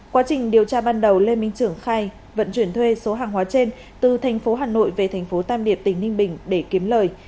quá trình điều tra ban đầu lê minh trưởng khai vận chuyển thuê số hàng hóa trên từ thành phố hà nội về thành phố tam điệp tỉnh ninh bình để kiếm lời